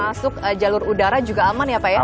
masuk jalur udara juga aman ya pak ya